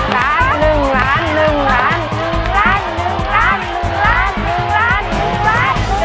๑ล้านบาท